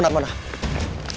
ada daging dari krishna